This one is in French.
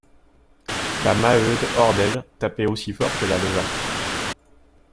La Maheude, hors d’elle, tapait aussi fort que la Levaque.